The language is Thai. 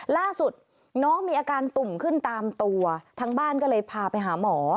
ล่าสุดน้องมีอาการตุ่มขึ้นตามตัวทางบ้านก็เลยพาไปหาหมอ